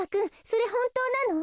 それほんとうなの？